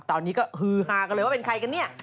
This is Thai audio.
ตอนนี้ก็ฮือฮากันเลยว่าเป็นใครกันเนี่ย